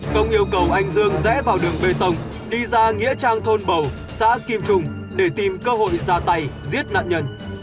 công yêu cầu anh dương rẽ vào đường bê tông đi ra nghĩa trang thôn bầu xã kim trung để tìm cơ hội ra tay giết nạn nhân